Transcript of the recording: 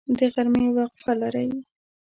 د غرمې وقفه لرئ؟